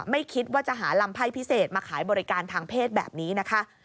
ไม่คิดว่าจะหาลำไพ่พิเศษมาขายบริการทางเพศแบบนี้นะคะ